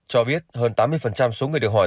cho biết hơn tám mươi số người được hỏi